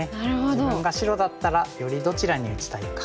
自分が白だったらよりどちらに打ちたいか。